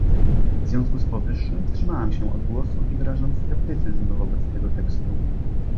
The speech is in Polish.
W związku z powyższym wstrzymałam się od głosu i wyrażam sceptycyzm wobec tego tekstu